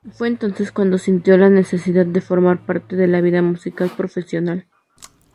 Fue entonces cuando sintió la necesidad de formar parte de la vida musical profesional.